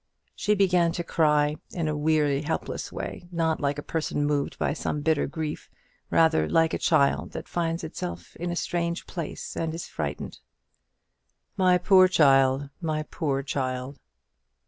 She began to cry, in a weary helpless way, not like a person moved by some bitter grief; rather like a child that finds itself in a strange place and is frightened. "My poor child, my poor child!"